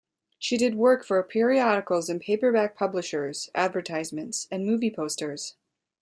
She did work for periodicals and paperback publishers, advertisements, and movie posters.